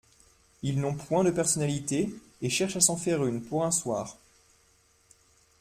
Ils n'ont point de personnalité et cherchent à s'en faire une, pour un soir.